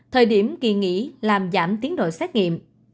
thời điểm kỳ nghỉ làm giảm tiến độ xét nghiệm